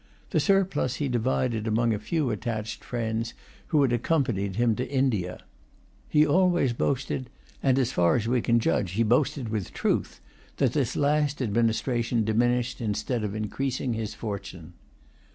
The surplus he divided among a few attached friends who had accompanied him to India. He always boasted, and as far as we can judge, he boasted with truth, that this last administration diminished instead of increasing his fortune.